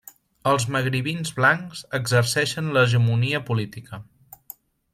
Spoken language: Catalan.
Els magribins blancs exerceixen l'hegemonia política.